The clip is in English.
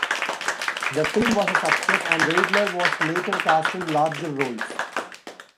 The film was a success and Weidler was later cast in larger roles.